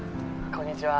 こんにちは。